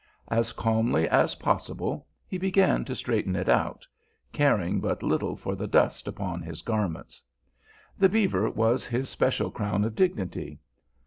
As calmly as possible he began to straighten it out, caring but little for the dust upon his garments. The beaver was his special crown of dignity.